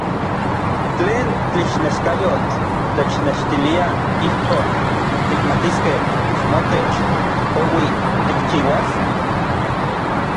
¿tlen tlixneskayotl technextilia ijkon tikmatiskej motech poui tikchiuas?